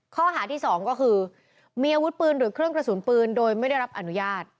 ข้อหาที่สองก็คือมีอาวุธปืนหรือเครื่องกระสุนปืนโดยไม่ได้รับอนุญาต